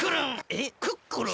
えっクックルン！？